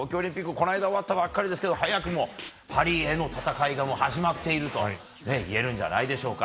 この間終わったばかりですが早くもパリへの戦いがもう始まっているといえるんじゃないでしょうか。